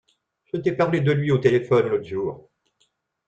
Je t’ai parlé de lui au téléphone l’autre jour.